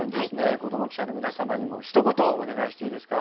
子ども記者のみなさまにもひと言お願いしていいですか？